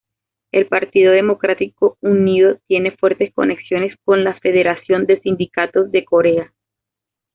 El Partido Democrático Unido tiene fuertes conexiones con la Federación de Sindicatos de Corea.